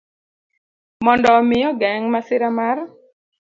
Mondo omi ogeng ' masira mar